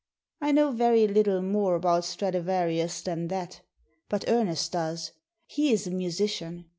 I know very little more about Straduarius than that But Ernest does; he is a musician.